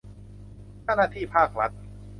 เจ้าหน้าที่ภาครัฐ